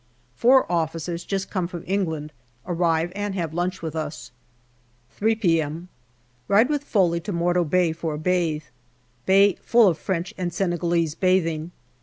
Four officers, just come from England, arrive and have lunch with us. 3 p.m. Ride with Foley to Morto Bay for a bathe. Bay full of French and Senegalese bathing.